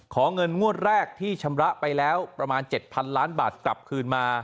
เงินงวดแรกที่ชำระไปแล้วประมาณ๗๐๐ล้านบาทกลับคืนมา